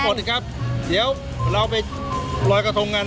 โทษครับเดี๋ยวเราไปรอยกาทงกัน